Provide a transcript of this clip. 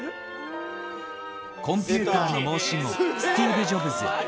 コンピューターの申し子、スティーブ・ジョブズ。